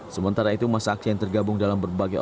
sementara itu masa aksi yang tergabung dalam perjalanan ke padang